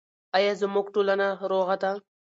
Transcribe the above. آیا زموږ ټولنه روغه ده؟